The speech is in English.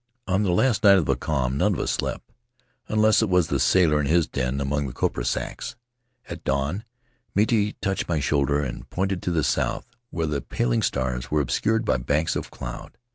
On the last night of the calm none of us slept, unless it was the sailor in his den among the copra sacks. At dawn Miti touched my shoulder and pointed to the south, where the paling stars were obscured by banks of cloud.